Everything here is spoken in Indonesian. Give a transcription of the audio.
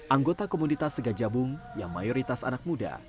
anggota komunitas segajabung yang mayoritas anak muda